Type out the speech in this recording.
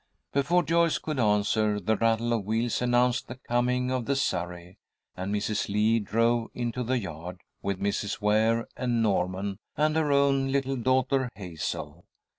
Before Joyce could answer, the rattle of wheels announced the coming of the surrey, and Mrs. Lee drove into the yard with Mrs. Ware and Norman, and her own little daughter, Hazel.